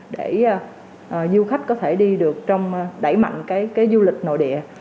để du khách có thể đi được trong đẩy mạnh cái du lịch nội địa